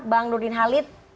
bang nurdin halid